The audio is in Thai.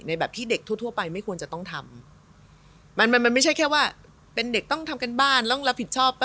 แบบที่เด็กทั่วทั่วไปไม่ควรจะต้องทำมันมันไม่ใช่แค่ว่าเป็นเด็กต้องทำการบ้านต้องรับผิดชอบป่